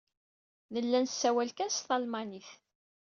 Nella nessawal kan s talmanit.